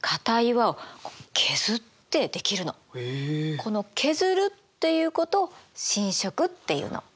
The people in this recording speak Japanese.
この「削る」っていうことを侵食っていうの。